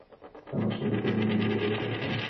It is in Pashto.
دا ماشوم د کور د نورو غړو په پرتله ډېر هوښیار دی.